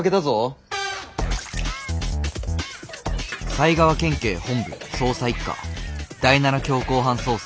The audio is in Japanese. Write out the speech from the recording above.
埼川県警本部捜査一課第７強行犯捜査